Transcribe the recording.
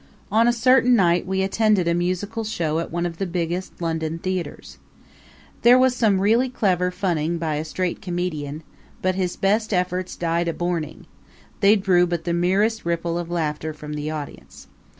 On a certain night we attended a musical show at one of the biggest London theaters. There was some really clever funning by a straight comedian, but his best efforts died a borning; they drew but the merest ripple of laughter from the audience.